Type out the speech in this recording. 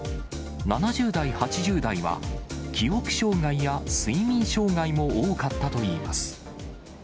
７０代、８０代は記憶障害や睡眠障害も多かったといいます。